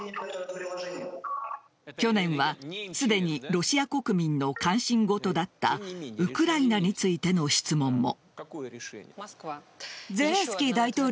去年はすでにロシア国民の関心事だったウクライナについての質問も。